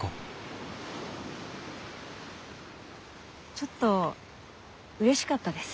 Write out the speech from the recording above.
ちょっとうれしかったです。